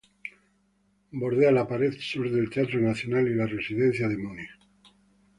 Bordea la pared sur del Teatro Nacional y la Residencia de Múnich.